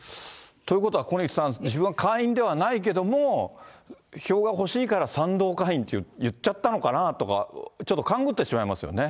ということは小西さん、自分は会員ではないけども、票が欲しいから賛同会員って言っちゃったのかなとか、ちょっと勘ぐってしまいますよね。